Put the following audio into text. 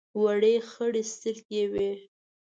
وړې خړې سترګې یې وې.